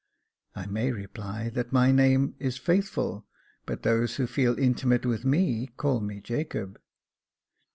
" I may reply that my name is Faithful, but those who feel intimate with me call me Jacob."